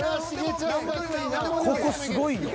［ここすごいよ］